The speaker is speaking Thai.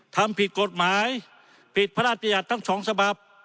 ทำผิดกลุ่มหมาทิศผิดพระราชญาติคต์ทั้ง๒สะบาป